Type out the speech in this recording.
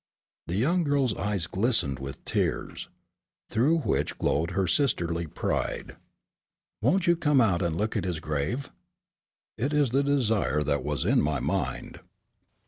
The young girl's eyes glistened with tears, through which glowed her sisterly pride. "Won't you come out and look at his grave?" "It is the desire that was in my mind."